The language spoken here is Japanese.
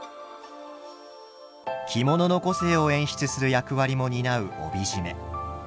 着物の個性を演出する役割も担う帯締め。